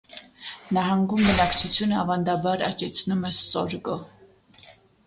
Նահանգում բնակչությունը ավանդաբար աճեցնում է սորգո։